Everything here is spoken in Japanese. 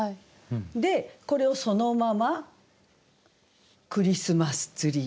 でこれをそのまま「クリスマスツリー」。